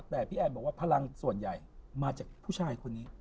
แต่พี่แอนบอกว่าพลังส่วนใหญ่มาจากผู้ชายคนนี้